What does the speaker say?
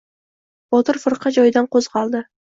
Botir firqa joyidan qo‘zg‘oldi.